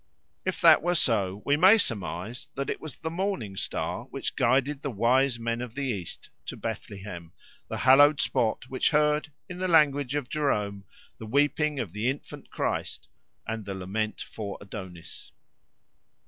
If that were so, we may surmise that it was the Morning Star which guided the wise men of the East to Bethlehem, the hallowed spot which heard, in the language of Jerome, the weeping of the infant Christ and the lament for Adonis.